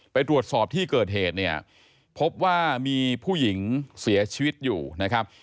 ไปตรวจสอบที่เกิดเหตุเนี่ยพบว่ามีผู้หญิงเสียชีวิตอยู่นะครับ